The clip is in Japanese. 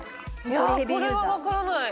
いやこれはわからない。